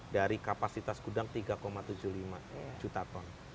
dari kapasitas gudang tiga tujuh puluh lima juta ton